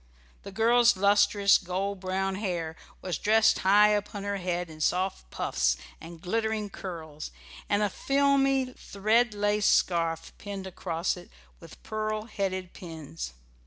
The girl's lustrous gold brown hair was dressed high upon her head in soft puffs and glittering curls, and a filmy thread lace scarf pinned across it with pearl headed pins.